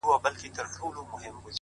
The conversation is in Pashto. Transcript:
• تاسي ځئ ما مي قسمت ته ځان سپارلی,